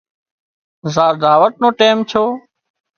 زار دعوت نو ٽيم ڇو